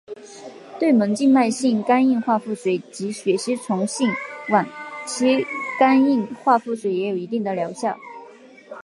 对门静脉性肝硬化腹水及血吸虫性晚期肝硬化腹水也有一定的疗效。